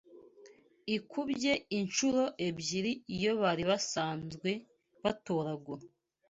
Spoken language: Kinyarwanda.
ikubye incuro ebyiri iyo bari basanzwe batoragura.